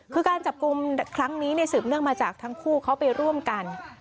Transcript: คือการจับกลุ่มครั้งนี้สืบเนื่องมาจากทั้งคู่เขาไปร่วมกัน